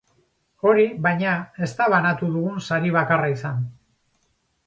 Hori, baina, ez da banatu dugun sari bakarra izan.